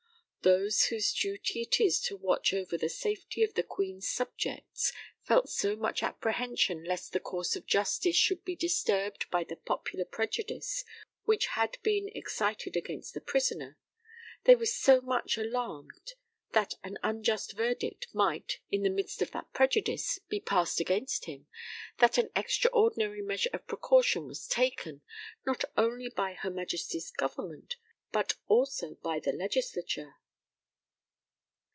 Those whose duty it is to watch over the safety of the Queen's subjects felt so much apprehension lest the course of justice should be disturbed by the popular prejudice which had been excited against the prisoner they were so much alarmed that an unjust verdict might, in the midst of that prejudice, be passed against him, that an extraordinary measure of precaution was taken, not only by Her Majesty's Government, but also by the Legislature.